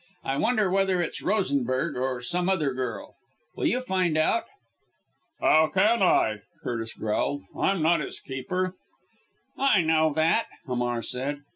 I wonder whether it's Rosenberg or some other girl. Will you find out?" "How can I?" Curtis growled. "I'm not his keeper." "I know that!" Hamar said.